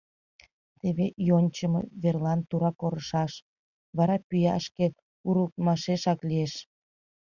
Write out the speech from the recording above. Теве йончымо верлан тура корышаш, вара пӱя шке урылтмашешак лиеш...